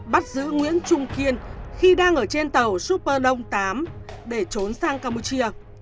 bắt giữ nguyễn trung kiên khi đang ở trên tàu super đông tám để trốn sang campuchia